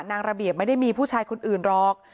นางระเบียบไม่ได้มีผู้ชายคนอื่นหรอก